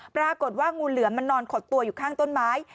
ปรากฏว่างูเหลือมมันนอนขดตัวอยู่ข้างต้นไม้